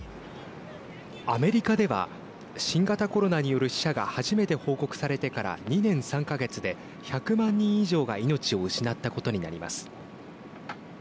アメリカでは新型コロナによる死者が初めて報告されてから２年３か月で１００万人以上が命を失ったことになります。